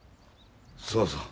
そうそう。